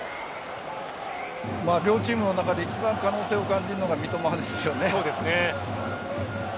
両チームの中で一番可能性を感じるのが三笘ですよね。